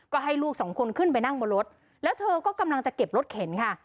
ก็ให้ลูกสองคนขึ้นไปนั่งบนรถแล้วเธอก็กำลังจะเก็บรถเข็นค่ะ